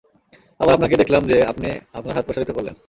আবার আপনাকে দেখলাম যে, আপনি আপনার হাত প্রসারিত করলেন!